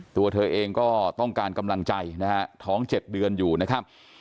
ตัวเธอเองก็ต้องการกำลังใจนะฮะท้อง๗เดือนอยู่นะครับ